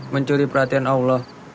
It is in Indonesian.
mencuri perhatian allah